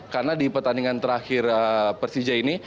karena di pertandingan terakhir persija ini